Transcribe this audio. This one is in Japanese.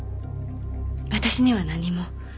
私には何も。